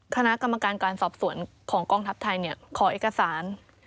คณะกรรมการการสอบสวนของกองทัพไทยขอเอกสาร